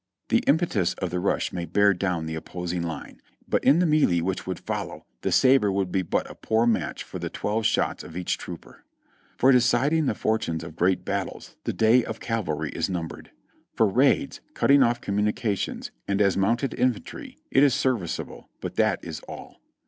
The impetus of the rush may bear down the opposing line, but in the melee which would follow the sabre would be but a poor match for the twelve shots of each trooper. For deciding the fortunes of great battles the day of cavalry is numbered. For raids, cutting ofif communications and as mounted infantry, it is serviceable, but that is all.